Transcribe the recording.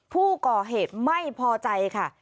ผู้ก่อเหตุไม่พอใจค่ะ